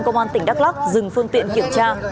công an tỉnh đắk lắc dừng phương tiện kiểm tra